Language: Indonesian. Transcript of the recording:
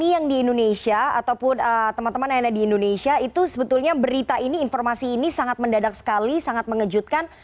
yang di indonesia ataupun teman teman yang ada di indonesia itu sebetulnya berita ini informasi ini sangat mendadak sekali sangat mengejutkan